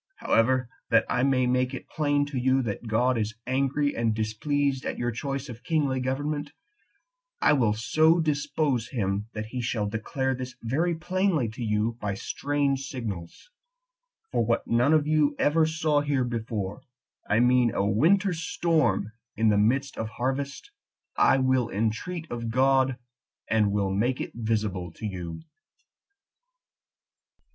However, that I may make it plain to you that God is angry and displeased at your choice of kingly government, I will so dispose him that he shall declare this very plainly to you by strange signals; for what none of you ever saw here before, I mean a winter storm in the midst of harvest, 10 I will entreat of God, and will make it visible to you."